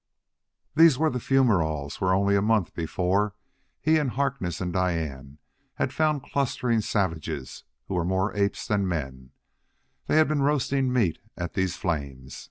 These were the fumeroles where only a month before he and Harkness and Diane had found clustering savages who were more apes than men; they had been roasting meat at these flames.